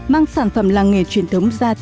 mang sản phẩm làng nghề truyền thống mới